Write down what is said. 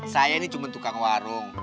saya ini cuma tukang warung